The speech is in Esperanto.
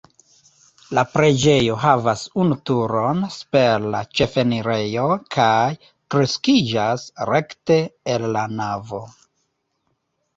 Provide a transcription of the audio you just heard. La preĝejo havas unu turon super la ĉefenirejo kaj kreskiĝas rekte el la navo.